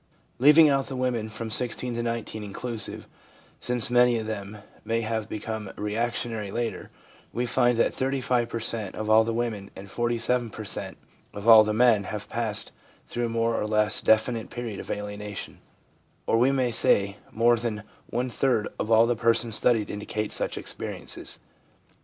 Leaving out the women from 16 to 19 inclusive, since many of them may have become reactionary later, we find that 35 per cent, of all the women and 47 per cent, of all the men have passed through a more or less definite period of alienation ; or, we may say, more than one third of all the persons studied indicate such experiences.